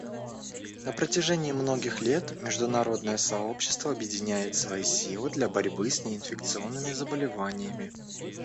На протяжении многих лет международное сообщество объединяет свои силы для борьбы с неинфекционными заболеваниями.